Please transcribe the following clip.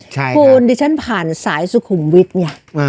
ใช่ค่ะคุณดิฉันผ่านสายสุขุมวิทย์เนี่ยอ่า